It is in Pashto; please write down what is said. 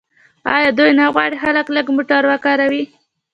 آیا دوی نه غواړي خلک لږ موټر وکاروي؟